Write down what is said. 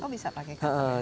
oh bisa pakai cutter